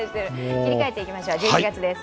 切り替えていきましょう１１月です。